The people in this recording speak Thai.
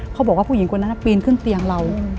เขาบอกว่าผู้หญิงคนนั้นปีนขึ้นเตียงเรา